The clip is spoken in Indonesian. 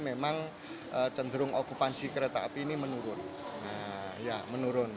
memang cenderung okupansi kereta api ini menurun